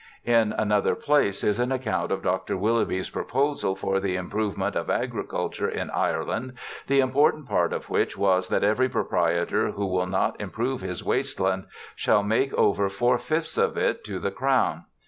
In another place is an account of Dr. Willoughby's proposal for the im provement of agriculture in Ireland, the important part of which was that every proprietor who will not improve his waste land shall make over four fifths of it to the Crown.